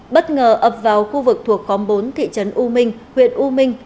bất ngờ ập vào khu vực thuộc khóm bốn thị trấn u minh huyện u minh